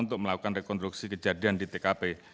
untuk melakukan rekonstruksi kejadian di tkp